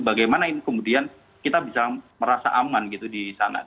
bagaimana ini kemudian kita bisa merasa aman gitu di sana